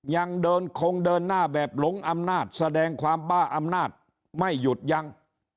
ยังเดินคงเดินหน้าแบบหลงอำนาจแสดงความบ้าอำนาจไม่หยุดยัง